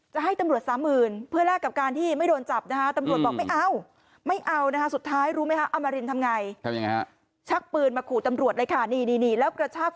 จะให้ตำรวจ๓๐๐๐๐เพื่อแลกกับการที่ไม่โดนจับนะคะตำรวจบอกไม่เอา